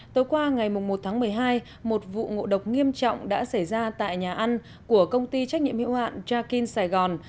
tối qua ngày một tháng một mươi hai một vụ ngộ độc nghiêm trọng đã xảy ra tại nhà ăn của công ty trách nhiệm hiệu hạn jakin sài gòn